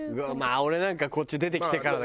俺なんかはこっちへ出てきてからだけどね。